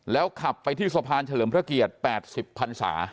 แล้วขับไปที่สะพานเฉลิมพระเกียรติ๘๐พันศา